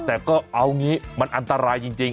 แต่ก็เอางี้มันอันตรายจริง